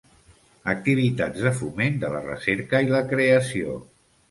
Activitats de foment de la recerca i la creació.